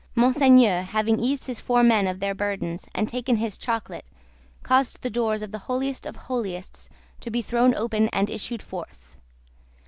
Monseigneur having eased his four men of their burdens and taken his chocolate, caused the doors of the Holiest of Holiests to be thrown open, and issued forth.